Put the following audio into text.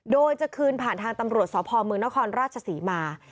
โดยจะคืนผ่านทางตำรวจสพเมืองนครราชศรีมา